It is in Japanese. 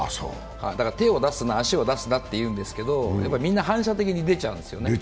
だから手を出すな、足を出すなって言うんですけど、みんな反射的に出ちゃうんですよね。